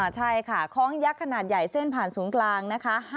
ใช่ค่ะคล้องยักษ์ขนาดใหญ่เส้นผ่านศูนย์กลางนะคะ